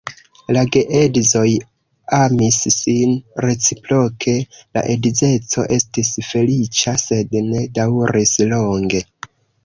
La geedzoj amis sin reciproke, la edzeco estis feliĉa, sed ne daŭris longe.